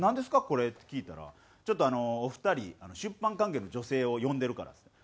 これ」って聞いたら「ちょっとあのお二人出版関係の女性を呼んでるから」っつって。